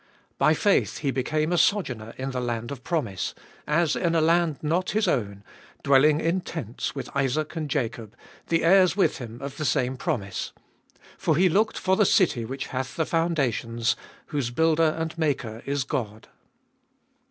9. By faith he became a sojourner in the land of promise, as in a land not his own, dwelling in tents with Isaac and Jacob, the heirs with him of the same promise : 10. For he looked for the city which hath the foundations, whose builder and maker is God.